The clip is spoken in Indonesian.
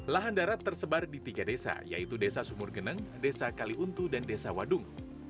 lahan darat tersebar di tiga desa yaitu desa sumur geneng desa kaliuntu dan desa wadung